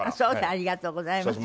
ありがとうございます。